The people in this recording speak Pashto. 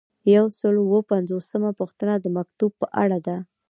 یو سل او اووه پنځوسمه پوښتنه د مکتوب په اړه ده.